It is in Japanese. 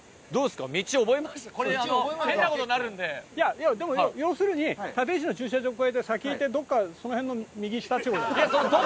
いやでも要するに立石の駐車場越えて先行ってどっかその辺の右下って事でしょ。